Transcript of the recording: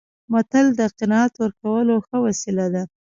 متل د قناعت ورکولو ښه وسیله ده